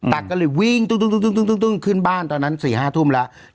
ตั๊กก็เลยวิ่งตุ๊กตุ๊กตุ๊กตุ๊กขึ้นบ้านตอนนั้น๔๕ทุ่มแล้ว